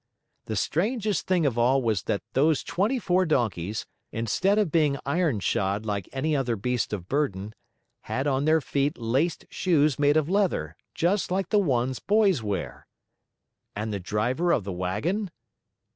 The strangest thing of all was that those twenty four donkeys, instead of being iron shod like any other beast of burden, had on their feet laced shoes made of leather, just like the ones boys wear. And the driver of the wagon?